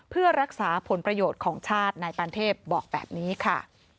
เพื่อรักษาผลประโยชน์ของชาตินายปานเทพบอกแบบนี้ค่ะ